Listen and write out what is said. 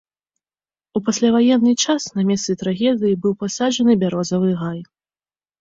У пасляваенны час на месцы трагедыі быў пасаджаны бярозавы гай.